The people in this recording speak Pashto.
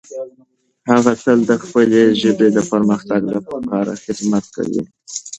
هغه تل د خپلې ژبې د پرمختګ لپاره خدمت کوي.